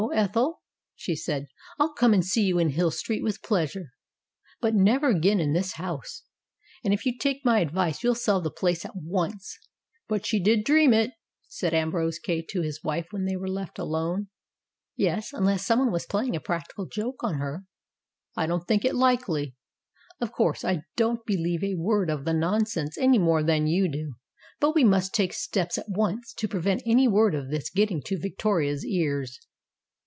"No, Ethel," she said, "I'll come and see you in Hill Street with pleasure, but never again in this house. And if you take my advice you'll sell the place at once." "But she did dream it," said Ambrose Kay to his wife when they were left alone. "Yes, unless someone was playing a practical joke on her." "I don't think it likely. Of course, I don't believe a word of the nonsense any more than you do, but we must take steps at once to prevent any word of this getting to Victoria's ears."